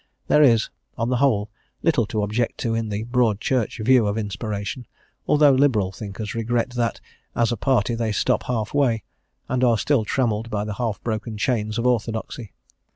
There is, on the whole, little to object to in the Broad Church view of inspiration, although liberal thinkers regret that, as a party, they stop half way, and are still trammelled by the half broken chains of orthodoxy.